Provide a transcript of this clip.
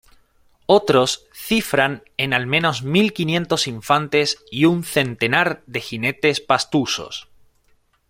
Otros cifran en al menos mil quinientos infantes y un centenar de jinetes pastusos.